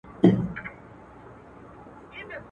ته هغه یې چي په پاڼود تاریخ کي مي لوستلې.